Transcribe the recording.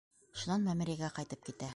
Шунан мәмерйәгә ҡайтып китә.